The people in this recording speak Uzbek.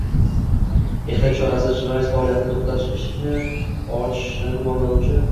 Ehtiyot chorasi jinoiy faoliyatni to‘xtatish, ishni ochishda gumonlanuvchi